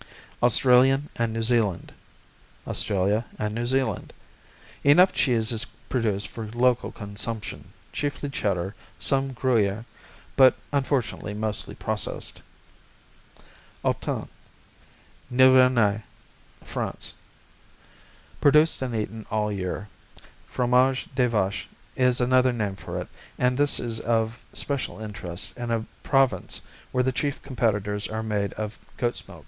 Australian and New Zealand Australia and New Zealand Enough cheese is produced for local consumption, chiefly Cheddar; some Gruyère, but unfortunately mostly processed. Autun Nivernais, France Produced and eaten all year. Fromage de Vache is another name for it and this is of special interest in a province where the chief competitors are made of goat's milk.